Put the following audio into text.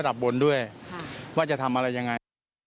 บนด้วยว่าจะทำอะไรยังไง